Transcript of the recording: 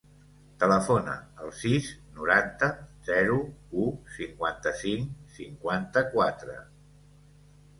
Telefona al sis, noranta, zero, u, cinquanta-cinc, cinquanta-quatre.